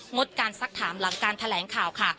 ดการสักถามหลังการแถลงข่าวค่ะ